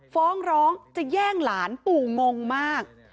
ฟ้องร้องจะแย่งหลานปู่งงมาก